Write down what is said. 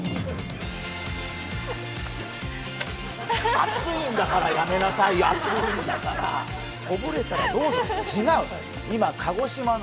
熱いんだからやめなさいよこぼれたらどうするの。